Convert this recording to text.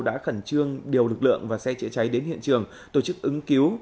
đã khẩn trương điều lực lượng và xe chữa cháy đến hiện trường tổ chức ứng cứu